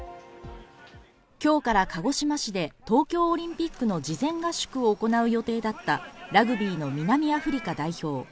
今日から鹿児島市で東京オリンピックの事前合宿を行う予定だったラグビーの南アフリカ代表。